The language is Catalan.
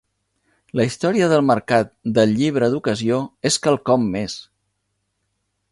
La història del Mercat del Llibre d'Ocasió és quelcom més.